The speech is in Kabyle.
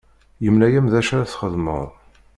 Yemla-am d acu ara txedmeḍ.